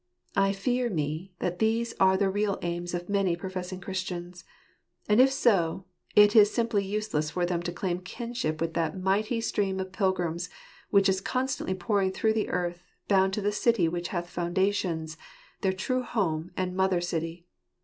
I fear me, that these are the real aims of many professing Christians ; and, if so, it is simply useless for them to claim kinship with that mighty stream of pilgrims, which is con stantly pouring through the earth, bound to the city which hath foundations, their true home and mother city.